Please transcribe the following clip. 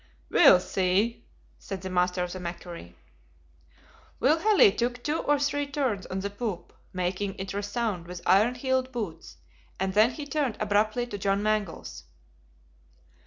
"We'll see," said the master of the MACQUARIE. Will Halley took two or three turns on the poop, making it resound with iron heeled boots, and then he turned abruptly to John Mangles.